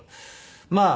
まあ